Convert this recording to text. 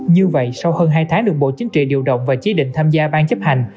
như vậy sau hơn hai tháng được bộ chính trị điều động và chế định tham gia ban chấp hành